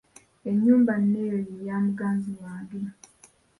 Enyumba nno eyo ye ya muganzi wange.